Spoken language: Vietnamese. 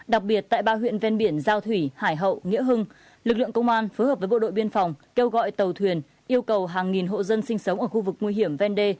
đặc biệt tại ba huyện ven biển giao thủy hải hậu nghĩa hưng lực lượng công an phối hợp với bộ đội biên phòng kêu gọi tàu thuyền yêu cầu hàng nghìn hộ dân sinh sống ở khu vực nguy hiểm ven đê